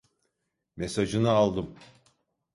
Mesajını aldım.